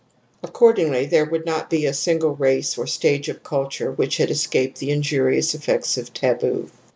..." Accordingly there would not be a single race or stage of culture which had escaped the injurious effects of taboo.